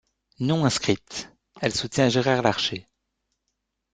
Non inscrite, elle soutient Gérard Larcher.